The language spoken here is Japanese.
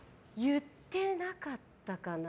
言ってなかったかな。